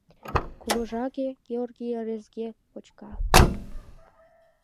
Кугыжаге, геогрий ыресге почка.